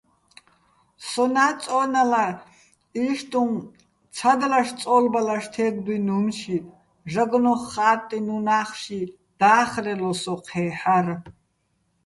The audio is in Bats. სონა́ წო́ნალარ იშტუჼ ცადლაშ-წო́ლბალაშ თე́გდუჲნი̆ უ̂მში, ჟაგნო́ხ ხა́ტტინო̆ უნა́ხში და́ხრელო სო ჴე́ჰ̦არ.